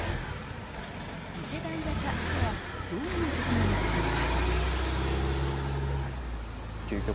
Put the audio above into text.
次世代型とはどういうことなのでしょうか。